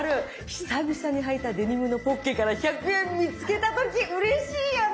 久々にはいたデニムのポッケから１００円見つけた時うれしいよね。